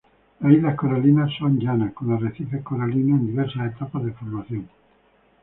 Las islas coralinas son llanas, con arrecifes coralinos en diversas etapas de formación.